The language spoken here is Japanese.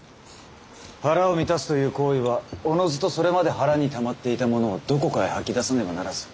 腹を満たすという行為はおのずとそれまで腹にたまっていたものをどこかへ吐き出さねばならず